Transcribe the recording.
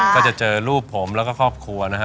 ก็จะเจอรูปผมแล้วก็ครอบครัวนะฮะ